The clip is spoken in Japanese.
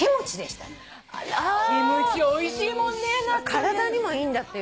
体にもいいんだったよね。